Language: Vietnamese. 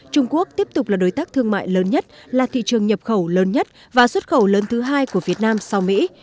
trung quốc tiếp tục là đối tác thương mại lớn nhất là thị trường nhập khẩu lớn nhất và xuất khẩu lớn thứ hai của việt nam sau mỹ